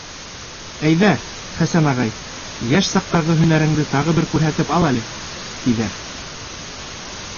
— Әйҙә, Хәсән ағай, йәш саҡтағы һәнәреңде тағы бер күрһәтеп ал әле, -тиҙәр.